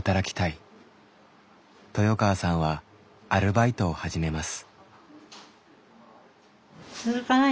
豊川さんはアルバイトを始めます。